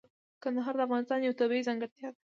کندهار د افغانستان یوه طبیعي ځانګړتیا ده.